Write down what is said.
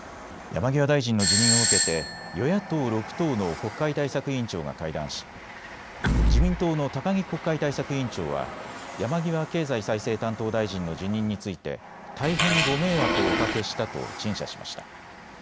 山際大臣の辞任を受けて与野党６党の国会対策委員長が会談し、自民党の高木国会対策委員長は山際経済再生担当大臣の辞任について大変ご迷惑をおかけしたと陳謝しました。